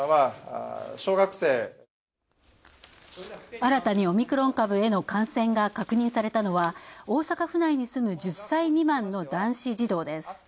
新たにオミクロン株への感染が確認されたのは大阪府内に住む１０歳未満の男子児童です。